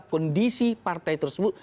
kondisi partai tersebut